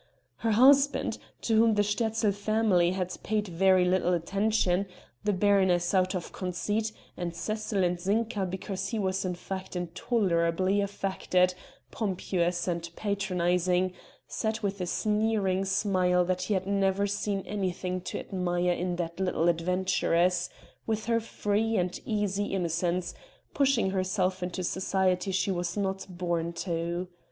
Her husband, to whom the Sterzl family had paid very little attention the baroness out of conceit, and Cecil and Zinka because he was in fact intolerably affected, pompous and patronizing said with a sneering smile that he had never seen anything to admire in that little adventuress, with her free and easy innocence pushing herself into society she was not born to.